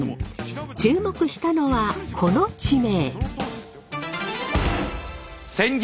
注目したのはこの地名。